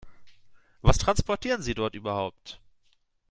Was transportieren Sie dort überhaupt?